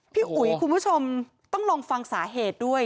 อุ๋ยคุณผู้ชมต้องลองฟังสาเหตุด้วย